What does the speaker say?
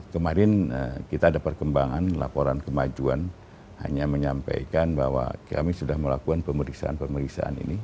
kemarin kita ada perkembangan laporan kemajuan hanya menyampaikan bahwa kami sudah melakukan pemeriksaan pemeriksaan ini